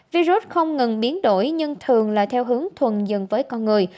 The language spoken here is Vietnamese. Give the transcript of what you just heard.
virus không ngừng biến đổi nhưng thường là theo hướng thuần dần với con người